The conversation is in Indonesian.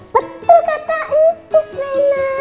betul kata encu selena